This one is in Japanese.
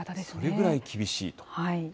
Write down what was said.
それぐらい厳しいと。